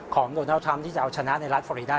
ของโดนัลดทรัมป์ที่จะเอาชนะในรัฐฟอรีดา